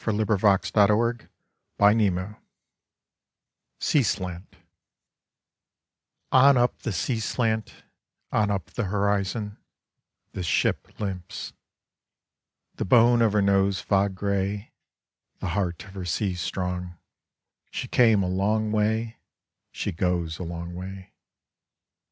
Slabs of the Sunburnt West 29 SEA SLANT On up the sea slant, On up the horizon, This ship limps. The bone of her nose fog gray, The heart of her sea strong, She came a long way, She goes a long way.